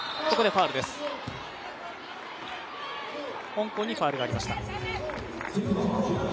香港にファウルがありました。